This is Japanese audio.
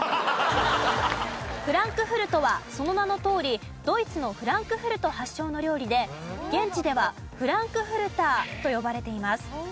フランクフルトはその名のとおりドイツのフランクフルト発祥の料理で現地ではフランクフルターと呼ばれています。